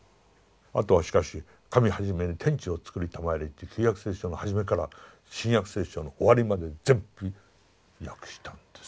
あとはしかし神はじめに天地を作りたまえりって「旧約聖書」の初めから「新約聖書」の終わりまで全部訳したんです。